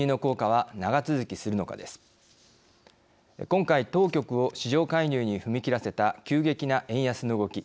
今回当局を市場介入に踏み切らせた急激な円安の動き。